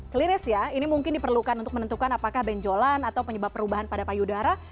kliris ya ini mungkin diperlukan untuk menentukan apakah benjolan atau penyebab perubahan pada payudara